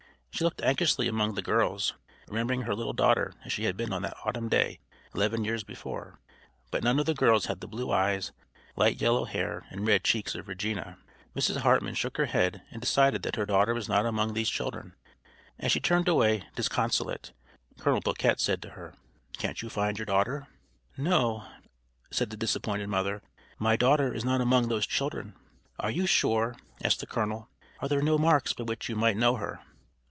She looked anxiously among the girls, remembering her little daughter as she had been on that autumn day eleven years before; but none of the girls had the blue eyes, light yellow hair and red cheeks of Regina. Mrs. Hartman shook her head, and decided that her daughter was not among these children. As she turned away, disconsolate, Colonel Boquet said to her, "Can't you find your daughter?" "No," said the disappointed mother, "my daughter is not among those children." "Are you sure?" asked the colonel. "Are there no marks by which you might know her?"